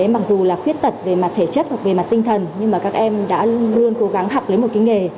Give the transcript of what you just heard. mặc dù khuyết tật về mặt thể chất tinh thần nhưng các em đã luôn cố gắng học lấy một nghề